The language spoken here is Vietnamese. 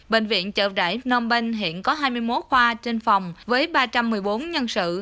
bệnh viện chợ đải phnom penh hiện có hai mươi một khoa trên phòng với ba trăm một mươi bốn nhân sự